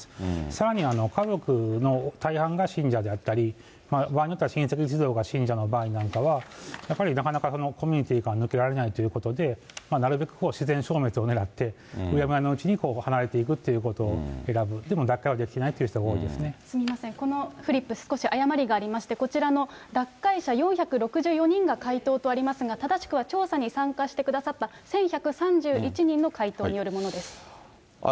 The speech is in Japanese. さらに家族の大半が信者であったり、場合によっては親戚一同が信者の場合なんかは、やはりなかなか、コミュニティーから抜けられないということで、なるべく自然消滅をねらって、うやむやのうちに離れていくということを選ぶ、でも脱会はできなすみません、このフリップ、少し誤りがありまして、こちらの脱会者４６４人が回答とありますが、正しくは、調査に回答してくださった１１３１人の回答によるものです。